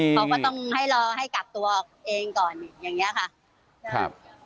เขาก็ต้องรอให่กลับตัวเองก่อนไงนะคะ